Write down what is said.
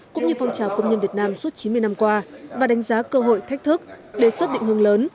cũng như phong trào công nhân việt nam suốt chín mươi năm qua và đánh giá cơ hội thách thức đề xuất định hướng lớn